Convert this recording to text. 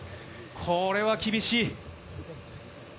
これは厳しい。